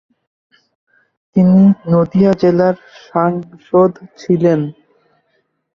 তিনি নদিয়া জেলার সাংসদ ছিলেন।